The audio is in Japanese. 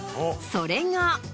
それが。